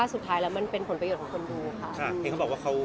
สุดท้ายเราเป็นผลประโยชน์ของคนดูค่ะ